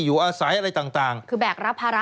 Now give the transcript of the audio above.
สวัสดีค่ะต้อนรับคุณบุษฎี